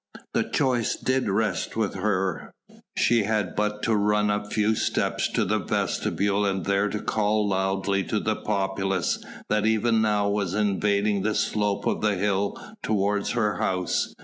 The choice did rest with her. She had but to run a few steps to the vestibule and there to call loudly to the populace that even now was invading the slope of the hill toward her house.